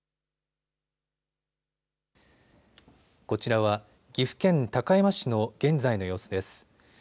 こちらは岐阜県高山市の現在の様子です。